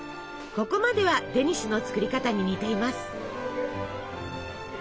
ここまではデニッシュの作り方に似ています。